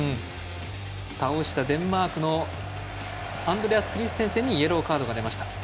倒したデンマークのアンドレアス・クリステンセンにイエローカードが出ました。